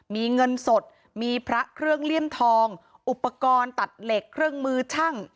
มีเงินสดมีพระเครื่องเลี่ยมทองอุปกรณ์ตัดเหล็กเครื่องมือช่าง